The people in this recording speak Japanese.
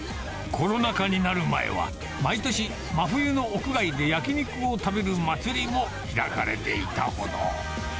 コロナ禍になる前は、毎年、真冬の屋外で焼き肉を食べる祭りも開かれていたほど。